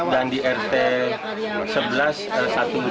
dan di rt sebelas r satu r empat